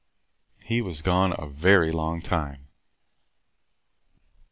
He was gone a very long time.